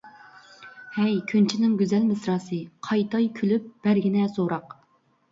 ھەي كۆنچىنىڭ گۈزەل مىسراسى، قايتاي كۈلۈپ بەرگىنە سوراق.